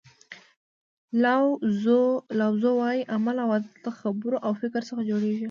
لاو زو وایي عمل او عادت له خبرو او فکر څخه جوړیږي.